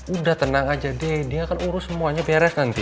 udah tenang aja deh dia akan urus semuanya beres nanti